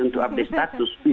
untuk update status